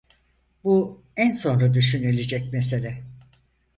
Bu en sonra düşünülecek mesele.